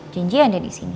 janjian deh disini